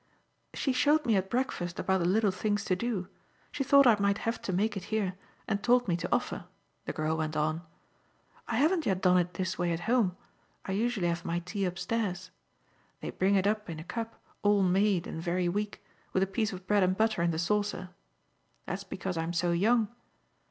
"She showed me at breakfast about the little things to do. She thought I might have to make it here and told me to offer," the girl went on. "I haven't yet done it this way at home I usually have my tea upstairs. They bring it up in a cup, all made and very weak, with a piece of bread and butter in the saucer. That's because I'm so young.